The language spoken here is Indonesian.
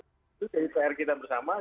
itu jadi pr kita bersama